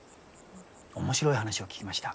面白い話を聞きました。